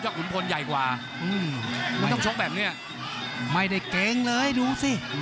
เจ้าขุนพลใหญ่กว่าไม่ได้เก่งเลยดูสิ